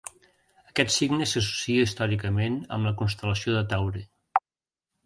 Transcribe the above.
Aquest signe s'associa històricament amb la constel·lació de Taure.